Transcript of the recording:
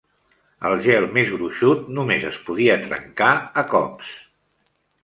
El gel més gruixut només es podia trencar a cops.